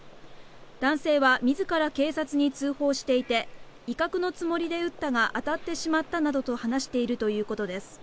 男性は自ら警察に通報していて威嚇のつもりで撃ったが当たってしまったなどと話しているということです。